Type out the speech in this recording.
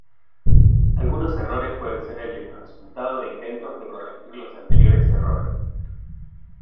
Algunos errores pueden ser el resultado de intentos de corregir los anteriores errores.